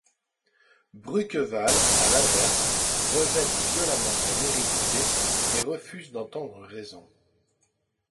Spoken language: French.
Brukeval, à l'inverse, rejette violemment son hérédité et refuse d'entendre raison.